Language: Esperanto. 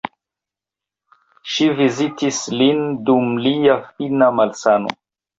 Ŝi vizitis lin dum lia fina malsano.